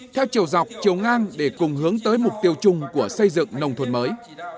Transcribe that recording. theo chiều dọc chiều ngang để cùng hướng tới mục tiêu chung của xây dựng nông thôn mới